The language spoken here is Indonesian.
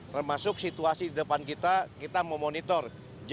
termasuk situasi di depan kita kita memonitor